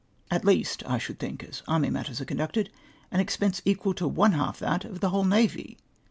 At least, I should think as army matters are conducted, an ex pense equal to one half that of the whole nav}^